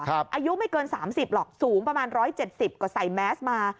อายุไม่เกิน๓๐หรอกสูงประมาณ๑๗๐กว่าใส่แมสมา